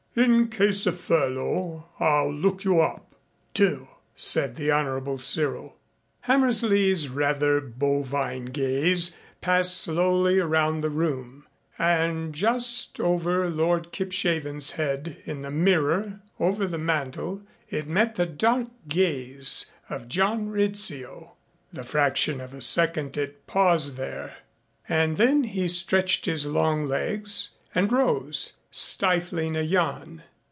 "In case of furlough I'll look you up." "Do," said the Honorable Cyril. Hammersley's rather bovine gaze passed slowly around the room, and just over Lord Kipshaven's head in the mirror over the mantel it met the dark gaze of John Rizzio. The fraction of a second it paused there and then he stretched his long legs and rose, stifling a yawn.